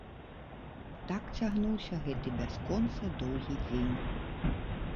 Так цягнуўся гэты бясконца доўгі дзень.